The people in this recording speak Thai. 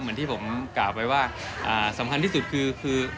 เหมือนที่ผมกล่าวไว้ว่าสำคัญที่สุดคือ